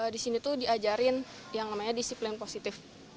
di sini diajarin yang namanya disiplin positif